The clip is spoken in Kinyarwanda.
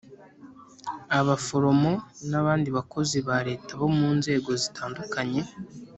abaforomo n'abandi bakozi ba leta bo mu nzego zitandukanye